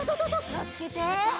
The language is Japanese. きをつけて！